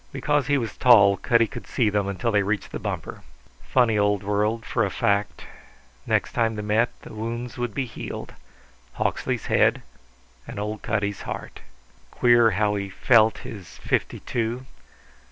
Because he was tall Cutty could see them until they reached the bumper. Funny old world, for a fact. Next time they met the wounds would be healed Hawksley's head and old Cutty's heart. Queer how he felt his fifty two.